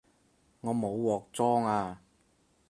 我冇鑊裝吖